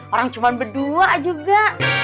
orang cuman berdua juga